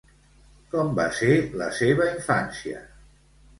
Com va ser la seva infància?